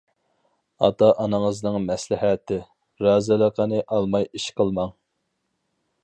ئاتا-ئانىڭىزنىڭ مەسلىھەتى، رازىلىقىنى ئالماي ئىش قىلماڭ.